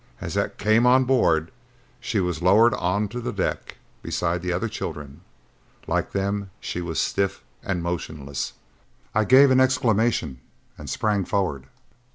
As the came on board, she was lowered onto the deck beside the other children. Like them, she was stiff and motionless. I gave an exclamation and sprang forward.